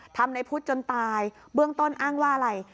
ทำในพุทธจนตายเบื้องต้นอ้างว่าอะไร